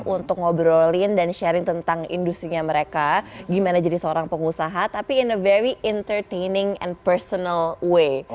untuk ngobrolin dan sharing tentang industri nya mereka gimana jadi seorang pengusaha tapi in a very entertaining and personal way